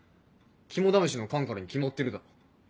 肝試しの缶からに決まってるだろ。